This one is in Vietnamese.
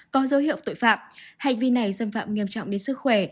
có dấu hiệu tội phạm hành vi này xâm phạm nghiêm trọng đến sức khỏe